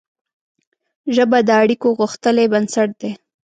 ژبه د اړیکو غښتلی بنسټ دی